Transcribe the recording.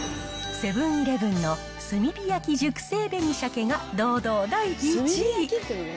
セブンーイレブンの炭火焼熟成紅しゃけが堂々第１位。